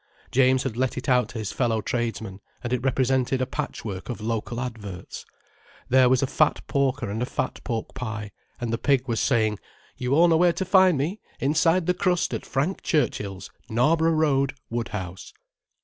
James had let it out to his fellow tradesmen, and it represented a patchwork of local adverts. There was a fat porker and a fat pork pie, and the pig was saying: "You all know where to find me. Inside the crust at Frank Churchill's, Knarborough Road, Woodhouse."